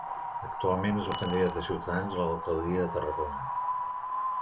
Actualment és el candidat de Ciutadans a l'alcaldia de Tarragona.